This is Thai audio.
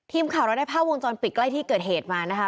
ทีมข่าวเราได้ภาพวงจรปิดใกล้ที่เกิดเหตุมานะคะ